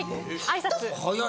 はい！